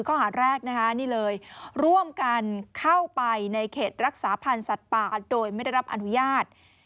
ข้อหาแรกนะคะนี่เลยร่วมกันเข้าไปในเขตรักษาพันธ์สัตว์ป่าโดยไม่ได้รับอนุญาต